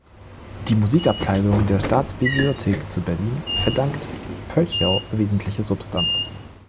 Die Musikabteilung der Staatsbibliothek zu Berlin verdankt Poelchau wesentliche Substanz.